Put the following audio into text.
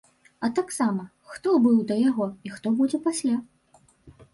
А таксама, хто быў да яго і хто будзе пасля?